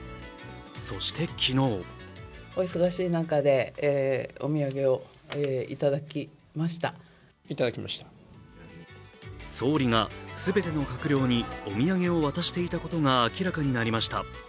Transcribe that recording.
そして昨日総理が全ての閣僚にお土産を渡していたことが明らかになりました。